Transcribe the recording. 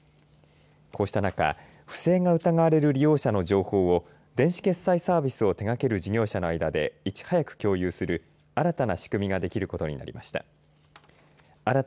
こうした中、不正が疑われる利用者の情報を電子決済サービスを手掛ける事業者の間でいち早く共有する新たな仕組みができることになりました。